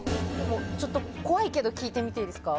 ちょっと怖いけど聞いてみていいですか？